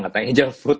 gak tanya jauh food